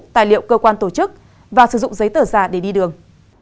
tài liệu cơ quan tổ chức và sử dụng giấy tờ giả để đi đường